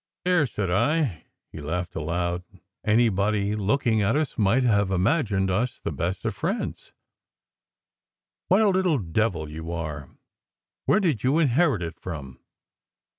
* "Not there," said I. He laughed out aloud, and any body looking at us might have imagined us the best of friends. "What a little devil you are! Where did you inherit it from?"